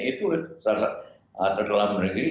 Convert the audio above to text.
itu harus tergelam negeri